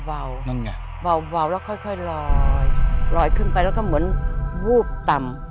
นั่นไงเบาแล้วค่อยลอยลอยขึ้นไปแล้วก็เหมือนวูบต่ำ